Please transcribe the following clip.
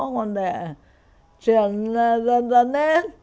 còn để chuyển dân dân lên